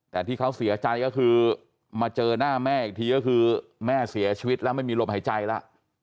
แต่ที่เขาเสียใจก็คือมาเจอหน้าแม่อีกทีก็คือแม่เสียชีวิตแล้วไม่มีลมหายใจแล้ว